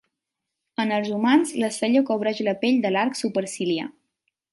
En els humans, la cella cobreix la pell de l'arc superciliar.